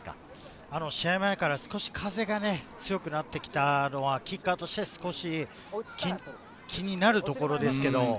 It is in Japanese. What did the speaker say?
試合前から少し風が強くなってきたのはキッカーとして、少し気になるところですけれど。